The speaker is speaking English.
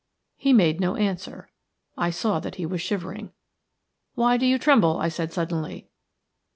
He made no answer. I saw that he was shivering. "Why do you tremble?" I said, suddenly.